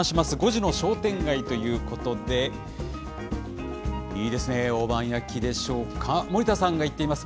５時の商店街ということで、いいですね、大判焼きでしょうか、森田さんが行っています。